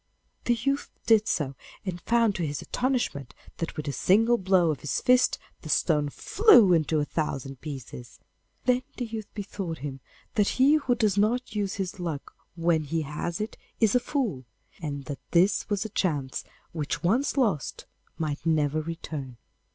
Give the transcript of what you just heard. The youth did so, and found to his astonishment that with a single blow of his fist the stone flew into a thousand pieces. Then the youth bethought him that he who does not use his luck when he has it is a fool, and that this was a chance which once lost might never return.